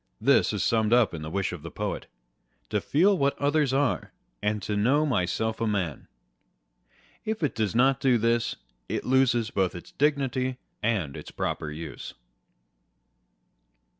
This is summed up in the wish of the poet â€" To feel what others are, and know myself a man. If it does not do this, it loses both its dignity and its proper use.